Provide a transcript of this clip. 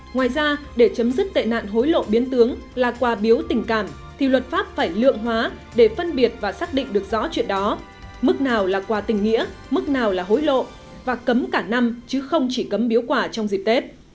ngoài ra để chấm dứt tệ nạn hối lộ biến tướng là quà biếu tình cảm thì luật pháp phải lượng hóa để phân biệt và xác định được rõ chuyện đó mức nào là quà tình nghĩa mức nào là hối lộ và cấm cả năm chứ không chỉ cấm biếu quả trong dịp tết